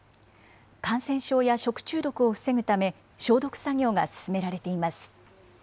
感染症や食中毒を防ぐため、消毒作業が進められています。